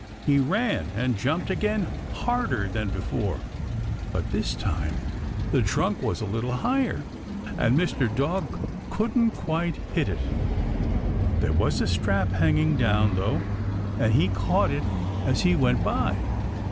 He ran and jumped again harder than before, but this time the trunk was a little higher and Mr. Dog didn't quite hit it. There was a strap hanging down, though, and he caught it as he went by.